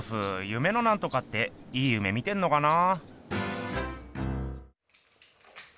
夢のなんとかっていい夢見てんのかな？